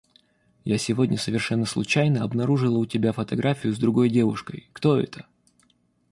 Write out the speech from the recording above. Я сегодня совершенно случайно обнаружила у тебя фотографию с другой девушкой. Кто это?